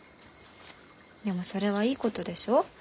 でもそれはいいことでしょ？